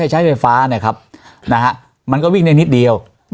ให้ไฟฟ้านะครับนะฮะมันก็วิ่งแน่นิดเดียว